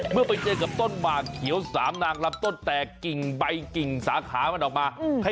เมื่อไปเจอกับต้นหมากเขียวสามนางลำต้นแตกกิ่งใบกิ่งสาขามันออกมา